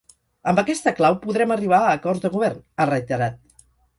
Amb aquesta clau podrem arribar a acords de govern, ha reiterat.